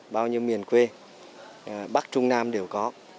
bao nhiêu miền quê bắc trung nam đều có